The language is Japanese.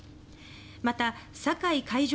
また、酒井海上